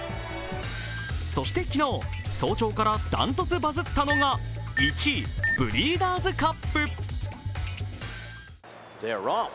そして昨日、早朝から断トツバズったのが１位、ブリーダーズカップ。